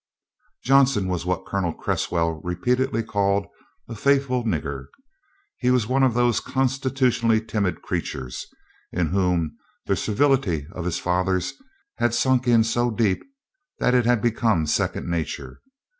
Johnson was what Colonel Cresswell repeatedly called "a faithful nigger." He was one of those constitutionally timid creatures into whom the servility of his fathers had sunk so deep that it had become second nature.